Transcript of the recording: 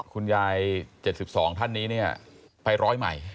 คุณยาย๗๒ท่านนี้เนี่ยไปร้อยใหม่